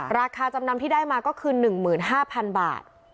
ราคาจำนำที่ได้มาก็คือ๑๕๐๐๐บาท